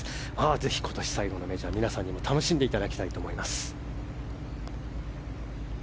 ぜひ今年最後のメジャーを皆さんにも楽しんでいただきたいと思います。